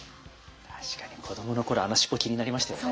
確かに子どもの頃あの尻尾気になりましたよね。